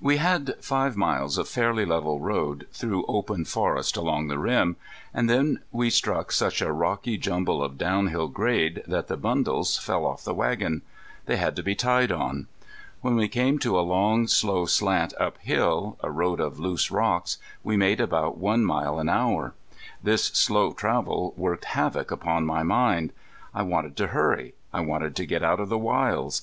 We had five miles of fairly level road through open forest along the rim, and then we struck such a rocky jumble of downhill grade that the bundles fell off the wagon. They had to be tied on. When we came to a long slow slant uphill, a road of loose rocks, we made about one mile an hour. This slow travel worked havoc upon my mind. I wanted to hurry. I wanted to get out of the wilds.